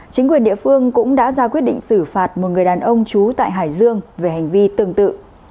chính quyền địa phương cũng đã ra quyết định xử phạt một người đàn ông trú tại hải dương về hành vi tương tự